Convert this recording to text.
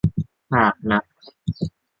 หากนัก